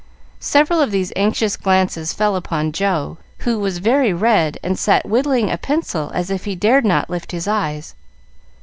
Several of these anxious glances fell upon Joe, who was very red and sat whittling a pencil as if he dared not lift his eyes.